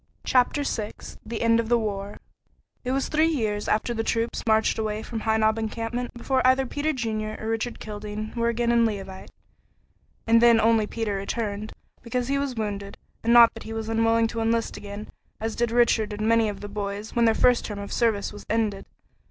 CHAPTER VI THE END OF THE WAR It was three years after the troops marched away from High Knob encampment before either Peter Junior or Richard Kildene were again in Leauvite, and then only Peter returned, because he was wounded, and not that he was unwilling to enlist again, as did Richard and many of the boys, when their first term of service was ended.